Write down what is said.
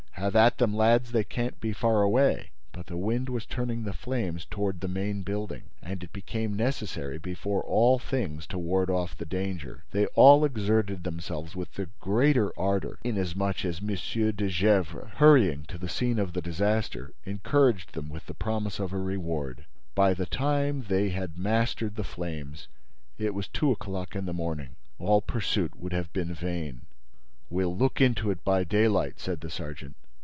Have at them, lads! They can't be far away!" But the wind was turning the flames toward the main building; and it became necessary, before all things, to ward off the danger. They all exerted themselves with the greater ardor inasmuch as M. de Gesvres, hurrying to the scene of the disaster, encouraged them with the promise of a reward. By the time that they had mastered the flames, it was two o'clock in the morning. All pursuit would have been vain. "We'll look into it by daylight," said the sergeant.